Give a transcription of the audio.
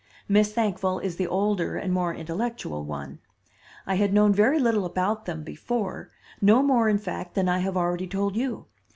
Miss Thankful is the older and more intellectual one. I had known very little about them before; no more, in fact, than I have already told you.